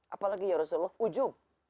apalagi ya rasulullah ujub